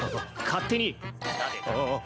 勝手に。